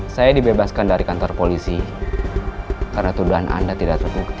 saya dibebaskan dari kantor polisi karena tuduhan anda tidak terbukti